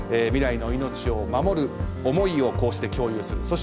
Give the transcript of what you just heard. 未来の命を守る思いをこうして共有する。